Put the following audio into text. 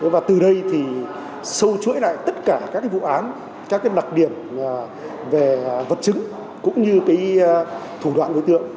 và từ đây thì sâu chuỗi lại tất cả các vụ án các đặc điểm về vật chứng cũng như thủ đoạn đối tượng